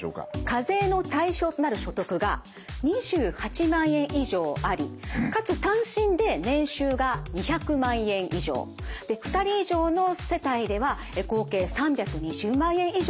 課税の対象となる所得が２８万円以上ありかつ単身で年収が２００万円以上で２人以上の世帯では合計３２０万円以上あるという場合です。